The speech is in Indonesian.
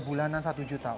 tiga bulanan satu juta